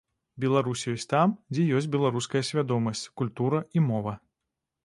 Беларусь ёсць там, дзе ёсць беларуская свядомасць, культура і мова.